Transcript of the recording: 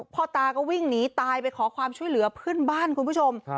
พ่อตาก็วิ่งหนีตายไปขอความช่วยเหลือเพื่อนบ้านคุณผู้ชม